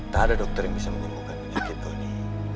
tak ada dokter yang bisa menyembuhkan penyakit kau ini